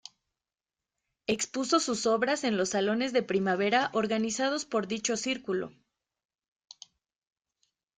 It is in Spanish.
Expuso sus obras en los Salones de Primavera organizados por dicho Círculo.